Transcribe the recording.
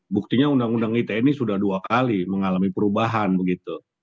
buktinya undang undang ite ini sudah dua kali mengalami perubahan begitu